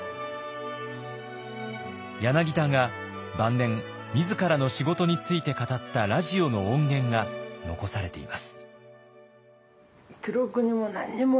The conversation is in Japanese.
柳田が晩年自らの仕事について語ったラジオの音源が残されています。